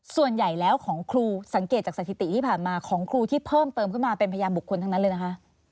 ส่วนใหญ่แล้วของครูสังเกตจากสถิติที่ผ่านมาของครูที่เพิ่มเติมขึ้นมาเป็นพยานบุคคลทั้งนั้นเลยนะคะ